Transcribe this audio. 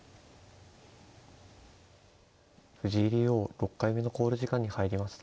藤井竜王６回目の考慮時間に入りました。